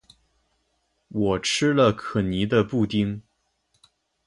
我吃了可妮的布丁